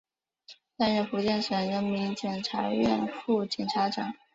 担任福建省人民检察院副检察长。